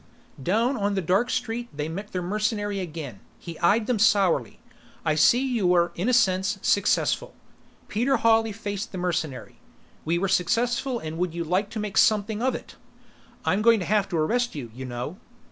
Down on the dark street, they met their mercenary again. He eyed them sourly. "I see you were, in a sense, successful." Peter Hawley faced the mercenary. "We were successful and would you like to make something of it?" "I'm going to have to arrest you, you know."